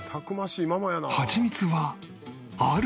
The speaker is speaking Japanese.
ハチミツはある！